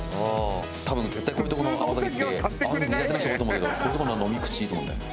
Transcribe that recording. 多分絶対こういうとこの甘酒って甘酒苦手な人多いと思うけどこういうとこのは飲み口いいと思うんだよね。